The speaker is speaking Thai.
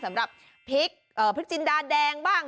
สำหรับพริกจินดาแดงบ้าง